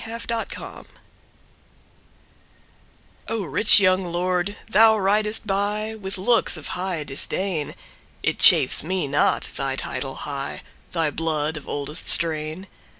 Compensation O, RICH young lord, thou ridest byWith looks of high disdain; It chafes me not thy title high, Thy blood of oldest strain.